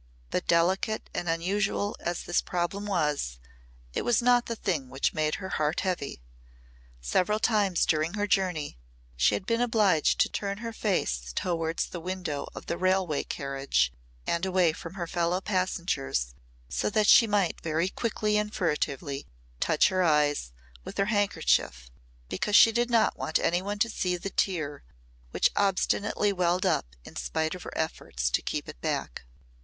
But delicate and unusual as this problem was, it was not the thing which made her heart heavy. Several times during her journey she had been obliged to turn her face towards the window of the railway carriage and away from her fellow passengers so that she might very quickly and furtively touch her eyes with her handkerchief because she did not want any one to see the tear which obstinately welled up in spite of her efforts to keep it back.